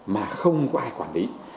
mà không có ai quản lý